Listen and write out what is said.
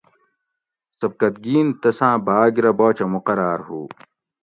سبکتگین تساۤں باگ رہ باچہ مقراۤر ہوُ